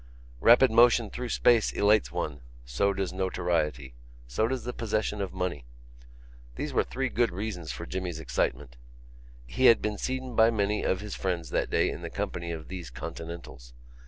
Rapid motion through space elates one; so does notoriety; so does the possession of money. These were three good reasons for Jimmy's excitement. He had been seen by many of his friends that day in the company of these Continentals.